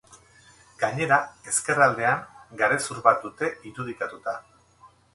Gainera, ezkerraldean garezur bat dute irudikatuta.